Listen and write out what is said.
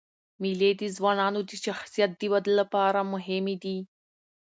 مېلې د ځوانانو د شخصیت د ودي له پاره مهمي دي.